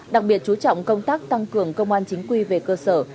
đặc biệt chú trọng công tác tăng cường công an chính quy về cơ sở